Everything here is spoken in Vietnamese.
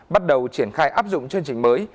bắt đầu triển khai áp dụng chương trình mới